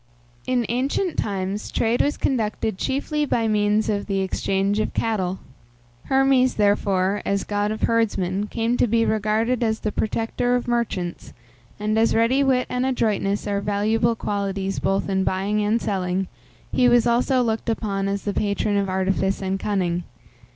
In ancient times, trade was conducted chiefly by means of the exchange of cattle. Hermes, therefore, as god of herdsmen, came to be regarded as the protector of merchants, and, as ready wit and adroitness are valuable qualities both in buying and selling, he was also looked upon as the patron of artifice and cunning.